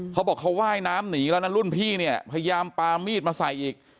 เขาบอกเขาว่ายน้ำหนีแล้วนะรุ่นพี่เนี่ยพยายามปามีดมาใส่อีก